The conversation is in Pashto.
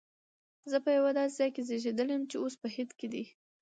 زه په یو داسي ځای کي زیږېدلی یم چي اوس په هند کي دی